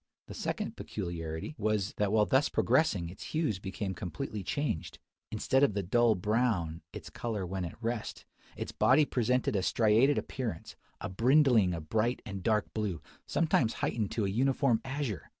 The second peculiarity was, that while thus progressing its hues became completely changed. Instead of the dull brown, its colour when at rest, its body presented a striated appearance, a brindling of bright and dark blue, sometimes heightened to a uniform azure!